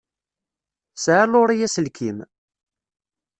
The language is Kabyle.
Tesɛa Laurie aselkim?